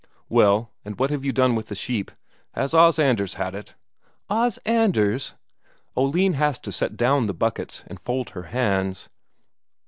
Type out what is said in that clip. "Well, what have, you done with the sheep? Has Os Anders had it?" "Os Anders?" Oline has to set down the buckets and fold her hands."